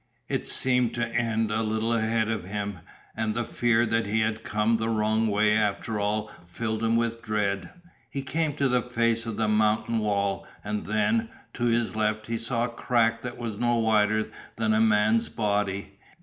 It seemed to end a little ahead of him, and the fear that he had come the wrong way after all filled him with dread. He came to the face of the mountain wall, and then, to his left, he saw a crack that was no wider than a man's body.